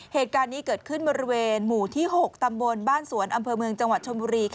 เหตุการณ์นี้เกิดขึ้นบริเวณหมู่ที่๖ตำบลบ้านสวนอำเภอเมืองจังหวัดชนบุรี